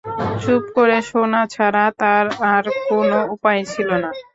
চুপ করে শোনা ছাড়া তার আর কোন উপায় ছিল না।